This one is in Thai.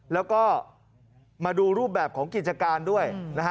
แล้วก็มาดูรูปแบบของกิจการด้วยนะฮะ